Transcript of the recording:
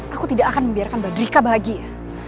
aku tidak akan membiarkan badrika bahagia